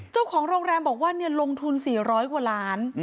เจ้าของโรงแรมบอกว่าเนี่ยลงทุนสี่ร้อยกว่าล้าน